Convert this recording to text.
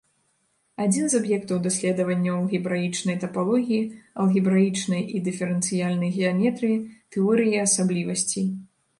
Адзін з аб'ектаў даследавання ў алгебраічнай тапалогіі, алгебраічнай і дыферэнцыяльнай геаметрыі, тэорыі асаблівасцей.